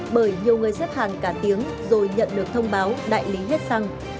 bởi nhiều người xếp hàng cả tiếng rồi nhận được thông báo đại lý hết xăng